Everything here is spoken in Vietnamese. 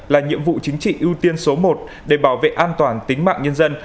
là nhiệm vụ chính trị ưu tiên số một để bảo vệ an toàn tính mạng nhân dân